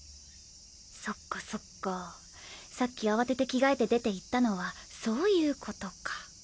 そっかそっかさっき慌てて着替えて出て行ったのはそういうことか。